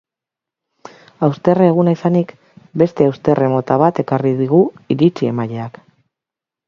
Hausterre eguna izanik, beste hausterre mota bat ekarri digu iritzi-emaileak.